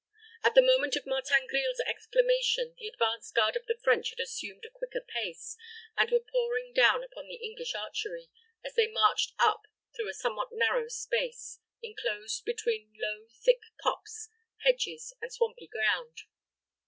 At the moment of Martin Grille's exclamation, the advanced guard of the French had assumed a quicker pace, and were pouring down upon the English archery, as they marched up through a somewhat narrow space, inclosed between low thick copse, hedges, and swampy ground.